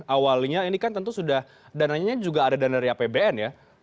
awalnya ini kan tentu sudah dananya juga ada dana dari apbn ya